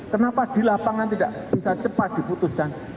kenapa di lapangan tidak bisa cepat diputuskan